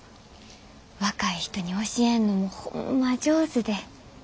若い人に教えんのもホンマ上手で。